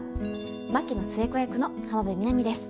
槙野寿恵子役の浜辺美波です。